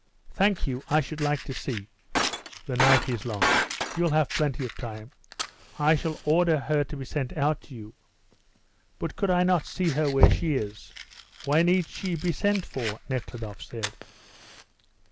"Thank you; I should like to see " "The night is long. You'll have plenty of time. I shall order her to be sent out to you." "But could I not see her where she is? Why need she be sent for?" Nekhludoff said.